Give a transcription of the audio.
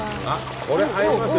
これ入れますよ